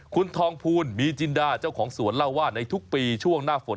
คุณทองภูลมีจินดาเจ้าของสวนเล่าว่าในทุกปีช่วงหน้าฝน